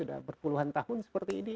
apapun seperti ini